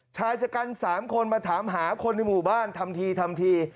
ชายจักรรม๓คนมาถามหาคนในหมู่บ้านทำที